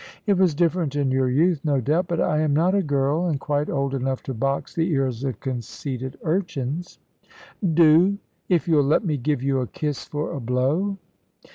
"It was different in your youth, no doubt. But I am not a girl, and quite old enough to box the ears of conceited urchins." "Do! if you'll let me give you a kiss for a blow."